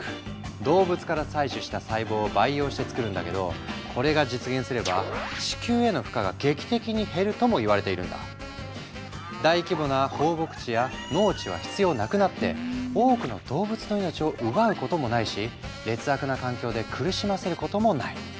動物から採取した細胞を培養して作るんだけどこれが実現すれば大規模な放牧地や農地は必要なくなって多くの動物の命を奪うこともないし劣悪な環境で苦しませることもない。